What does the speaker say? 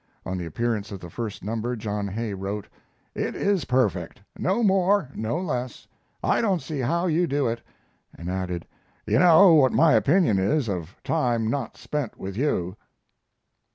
On the appearance of the first number John Hay wrote: "It is perfect; no more nor less. I don't see how you do it," and added, "you know what my opinion is of time not spent with you."